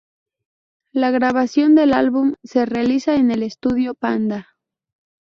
La grabación del álbum se realiza en el estudio Panda.